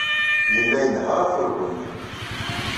Yella inehheṛ afurgu-nni.